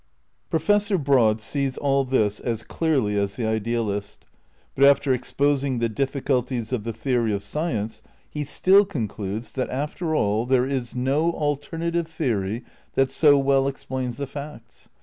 Professor Broad sees all this as clearly as the ideal ist; but after exposing the difficulties of the theory of science he still concludes that, after all, there is no al ternative theory that so well explains the facts.